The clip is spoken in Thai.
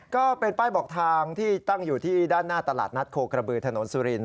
ก็เป็นป้ายบอกทางที่ตั้งอยู่ที่ด้านหน้าตลาดนัดโคกระบือถนนสุรินท